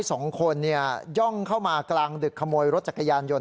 สองคนเนี้ยย่อกเข้ามากรรังดึกโคมน์รถแจกยันโยน